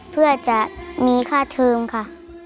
เพื่อจะมีค่าเทิมค่ะ